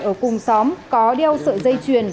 ở cùng xóm có đeo sợi dây chuyển